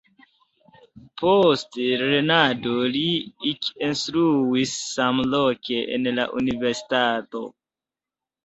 Post lernado li ekinstruis samloke en la universitato.